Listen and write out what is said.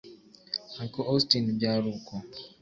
Uncle Austin byari uko